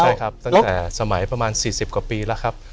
ใช่ครับตั้งแต่สมัยประมาณ๔๐กว่าปีแล้วครับ